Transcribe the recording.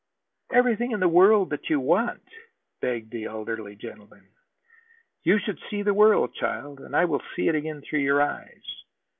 "Everything in the world that you want," begged the elderly gentleman. "You should see the world, child, and I will see it again through your eyes.